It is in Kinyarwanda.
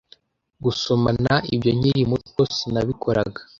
gusomana ibyo nkiri muto sinabikoraga